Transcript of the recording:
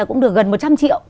cũng được gần một trăm linh triệu